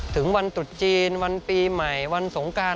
ถึงวันตรุษจีนวันปีใหม่วันสงการ